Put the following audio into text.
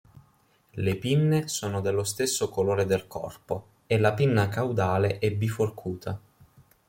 Le pinne sono dello stesso colore del corpo, e la pinna caudale è biforcuta.